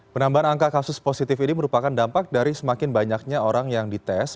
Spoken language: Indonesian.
penambahan angka kasus positif ini merupakan dampak dari semakin banyaknya orang yang dites